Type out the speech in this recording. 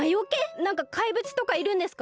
なんかかいぶつとかいるんですか？